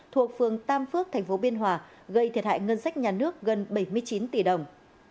thuộc phường tam phước thành phố biên hòa gây thiệt hại ngân sách nhà nước gần bảy mươi chín tỷ đồng